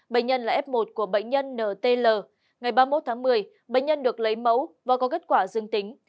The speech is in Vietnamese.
bệnh nhân là f một của bệnh nhân nt ngày ba mươi một tháng một mươi bệnh nhân được lấy mẫu và có kết quả dương tính